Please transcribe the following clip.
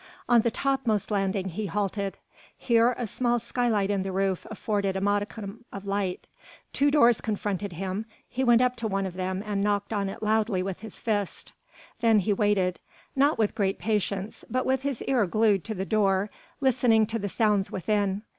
On the topmost landing he halted; here a small skylight in the roof afforded a modicum of light. Two doors confronted him, he went up to one of them and knocked on it loudly with his fist. Then he waited not with great patience but with his ear glued to the door listening to the sounds within.